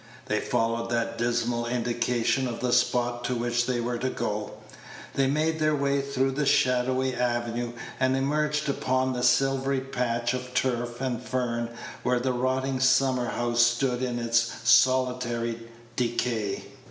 They followed that dismal indication of the spot to which they were to go. They made their way through the shadowy avenue, and emerged upon the silvery patch of turf and fern where the rotting summer house stood in its solitary decay.